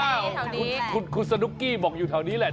คุณสนุกกี้บอกอยู่แถวนี้แหละ